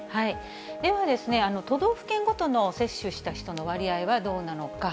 では、都道府県ごとの接種した人の割合はどうなのか。